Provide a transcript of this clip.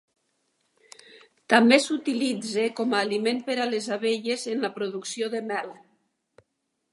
També s'utilitza com a aliment per a les abelles en la producció de mel.